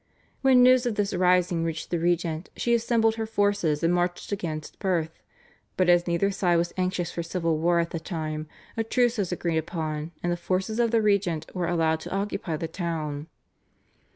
When news of this rising reached the regent she assembled her forces and marched against Perth, but as neither side was anxious for civil war at the time, a truce was agreed upon, and the forces of the regent were allowed to occupy the town.